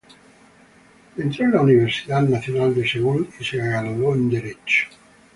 Entró en la Universidad Nacional de Seúl y se graduó en Derecho.